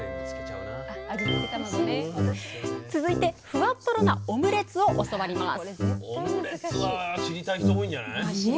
続いてふわとろなオムレツを教わります！